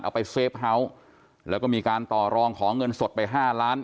เอาไปเซฟเฮาส์แล้วก็มีการต่อรองขอเงินสดไปห้าล้าน